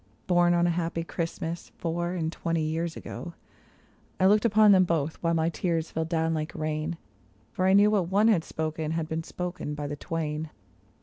Born on a happy Christmas, four and twenty years ago ; I looked upon them both, while my tears fell down like rain. For I knew what one had spoken, had been spoken by the twain.